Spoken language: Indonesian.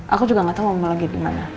aku juga gatau mama lagi dimana